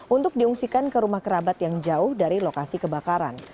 untuk diungsikan ke rumah kerabat yang jauh dari lokasi kebakaran